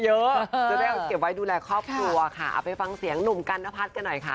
จะได้เอาเก็บไว้ดูแลครอบครัวค่ะเอาไปฟังเสียงหนุ่มกันนพัฒน์กันหน่อยค่ะ